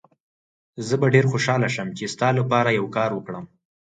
زه به ډېر خوشحاله شم چي ستا لپاره یو کار وکړم.